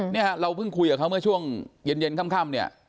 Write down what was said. เนี่ยเราเพิ่งคุยกับเขาเมื่อช่วงเย็นค่ำเนี่ย